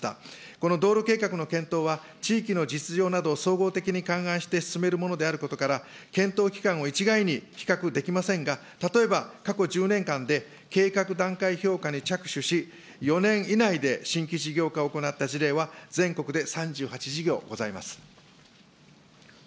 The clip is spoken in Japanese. この道路計画の検討は、地域の実情など、総合的に勘案して進めるものであることから、検討期間を一概に比較できませんが、例えば過去１０年間で計画段階評価に着手し、４年以内で新規事業化を行った事例は全国で３８事業ございます。